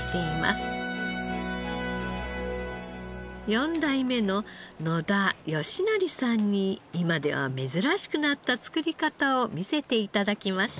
４代目の野田好成さんに今では珍しくなった造り方を見せて頂きました。